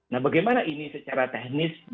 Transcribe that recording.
nah bagaimana ini secara teknis